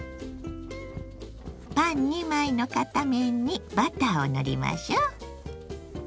パン２枚の片面にバターを塗りましょう。